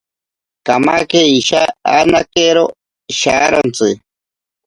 Kamake isha anakero sharontsi.